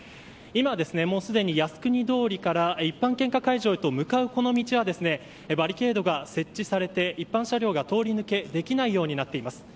今、靖国通りから一般献花会場へと向かう道はバリケードが設置されて一般車両が通り抜けできないようになっています。